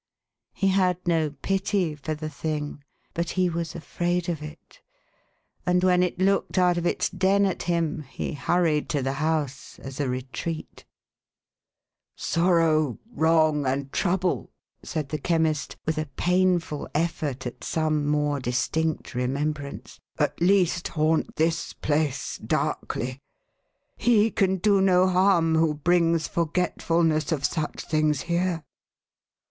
He had no pity for the thing, but he was afraid of it ; and when it looked out of its den at him, he hurried to the house as a retreat. *1 482 THE HAUNTED MAX. "Sorrow, wrong, and trouble," said the Chemist, with a painful effort at some more distinct remembrance, "at least haunt this place, darkly. He can do no harm, who brings forgetfulness of such things here